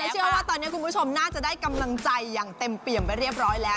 เชื่อว่าตอนนี้คุณผู้ชมน่าจะได้กำลังใจอย่างเต็มเปี่ยมไปเรียบร้อยแล้ว